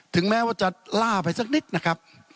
ถึงแม้ว่าจะล่าไปสักนิดนะครับ